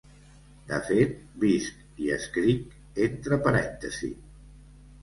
De fet, visc i escric entre parèntesis.